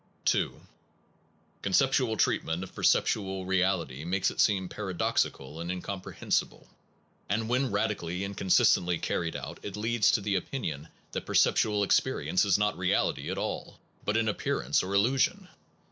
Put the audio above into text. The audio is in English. . Conceptual treatment of perceptual real 80 PERCEPT AND CONCEPT ity makes it seem paradoxical and incompre hensible; and when radically and consistently carried out, it leads to the opinion that per ceptual experience is not reality at all, but an appearance or illusion.